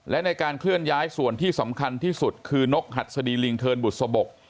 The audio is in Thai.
และในการเคลื่อนย้ายส่วนที่สำคัญที่สุดคือนกหัดสดีลิงเทินบุษบก